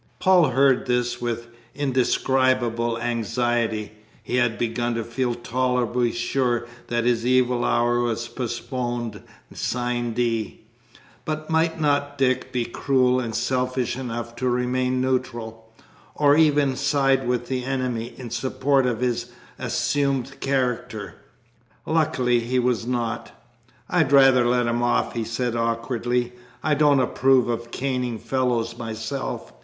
Paul heard this with indescribable anxiety; he had begun to feel tolerably sure that his evil hour was postponed sine die, but might not Dick be cruel and selfish enough to remain neutral, or even side with the enemy, in support of his assumed character? Luckily he was not. "I'd rather let him off," he said awkwardly; "I don't approve of caning fellows myself.